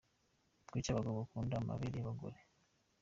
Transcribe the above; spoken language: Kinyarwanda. Kuki abagabo bakunda amabere y’abagore